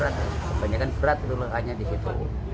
kebanyakan berat itu lakanya di situ